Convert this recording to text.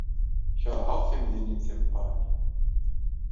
Keṛheɣ timdinin timeqranin.